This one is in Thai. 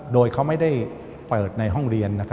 โดยเขาไม่ได้เปิดในห้องเรียน